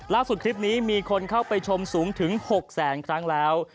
คลิปนี้มีคนเข้าไปชมสูงถึง๖แสนครั้งแล้ว